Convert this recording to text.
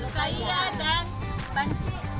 selalu kaya dan panci